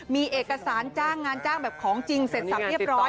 มีเอกสารจ้างงานจ้างแบบของจริงเสร็จสับเรียบร้อย